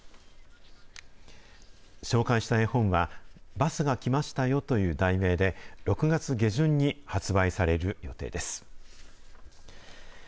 紹介した絵本は、バスが来ましたよという題名で、６月下旬に発売される予定です。